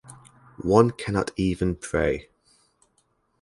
One cannot even pray.